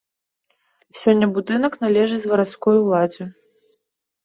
Сёння будынак належыць гарадской уладзе.